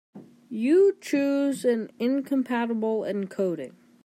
You chose an incompatible encoding.